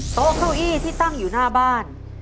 โต๊ะเก้าอี้ที่ตั้งอยู่หน้าบ้าน